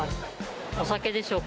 お酒でしょうか。